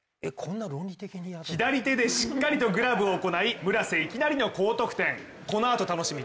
左手でしっかりとグラブを行い村瀬、いきなりの高得点。